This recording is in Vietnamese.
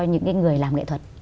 những người làm nghệ thuật